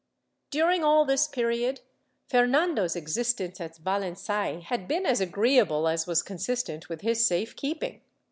^ During all this period, Fernando's existence at Valengay had been as agreeable as was consistent with his safe keeping.